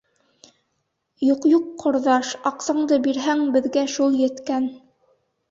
— Юҡ, юҡ, ҡорҙаш, аҡсаңды бирһәң, беҙгә шул еткән.